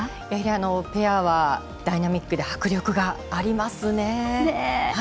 やはりペアはダイナミックで迫力がありますね。